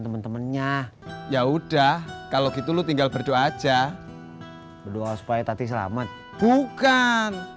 temen temennya ya udah kalau gitu lu tinggal berdoa aja berdoa supaya tadi selamat bukan